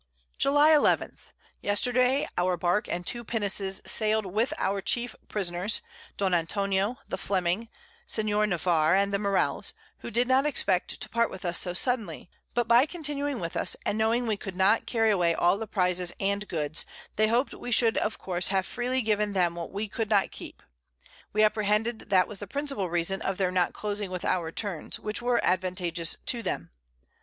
July 11. Yesterday our Bark and 2 Pinnaces sail'd with our chief Prisoners. Don Antonio, the Fleming, Sen. Navarre, and the Morells, who did not expect to part with us so suddenly, but by continuing with us, and knowing we could not carry away all the Prizes and Goods, they hop'd we should of course have freely given them what we could not keep. We apprehended that was the principal Reason of their not closing with our Terms, which were advantageous to them.